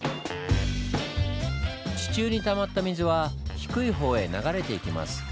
地中にたまった水は低い方へ流れていきます。